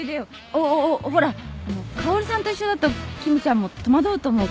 おおおほらあの薫さんと一緒だと君ちゃんも戸惑うと思うからさ。